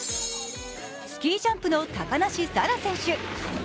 スキージャンプの高梨沙羅選手。